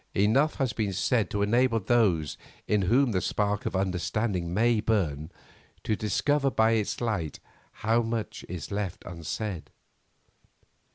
Enough has been said to enable those in whom the spark of understanding may burn, to discover by its light how much is left unsaid.